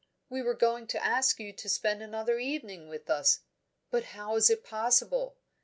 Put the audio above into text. We were going to ask you to spend another evening with us but how is it possible?